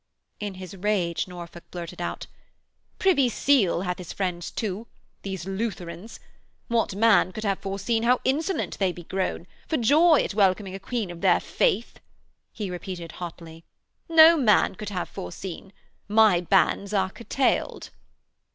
In his rage Norfolk blurted out: 'Privy Seal hath his friends, too these Lutherans. What man could have foreseen how insolent they be grown, for joy at welcoming a Queen of their faith,' he repeated hotly. 'No man could have foreseen. My bands are curtailed.'